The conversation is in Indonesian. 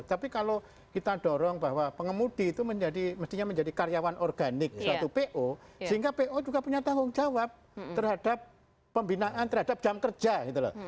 tapi kalau kita dorong bahwa pengemudi itu mestinya menjadi karyawan organik suatu po sehingga po juga punya tanggung jawab terhadap pembinaan terhadap jam kerja gitu loh